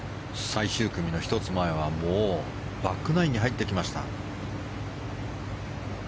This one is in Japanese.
最終組の１つ前はもうバックナインに入ってきました。